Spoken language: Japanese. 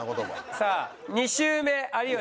さあ２周目有吉。